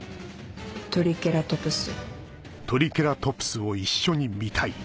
「トリケラトプス」。